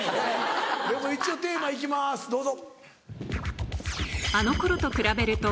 でも一応テーマ行きますどうぞ。